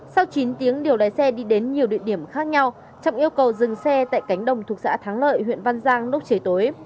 sau chín tiếng điều lái xe đi đến nhiều địa điểm khác nhau trọng yêu cầu dừng xe tại cánh đồng thuộc xã thắng lợi huyện văn giang lúc trời tối